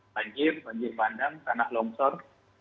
banjir banjir bandang tanah longsor